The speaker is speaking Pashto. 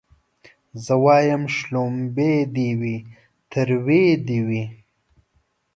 زه وايم شلومبې دي وي تروې دي وي